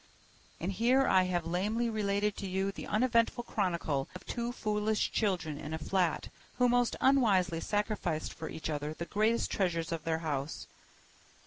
And here I have lamely related to you the uneventful chronicle of two foolish children in a flat who most unwisely sacrificed for each other the greatest treasures of their house.